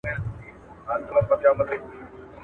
o مېړه مړ که، مړانه ئې مه ورکوه.